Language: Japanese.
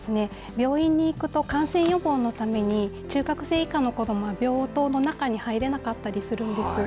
病院に行くと感染予防のために中学生以下の子どもは病棟の中に入れなかったりするんです。